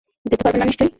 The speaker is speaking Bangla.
যেতে পারবেন না নিশ্চয়ই?